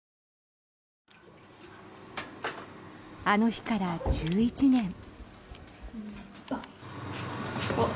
あの日から１１年。